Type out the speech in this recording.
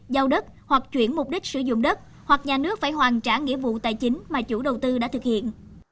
giao đất hoặc chuyển mục đích sử dụng đất hoặc nhà nước phải hoàn trả nghĩa vụ tài chính mà chủ đầu tư đã thực hiện